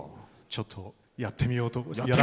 ちょっとやってみようと。